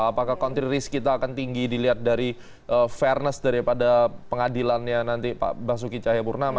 apakah country risk kita akan tinggi dilihat dari fairness daripada pengadilannya nanti pak basuki cahayapurnama